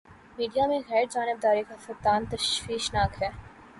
Media میں غیر جانبداری کا فقدان تشویش ناک ہے۔